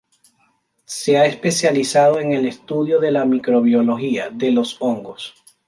Se ha especializado en el estudio de la microbiología de los hongos.